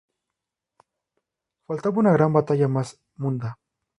Faltaba una gran batalla más: Munda.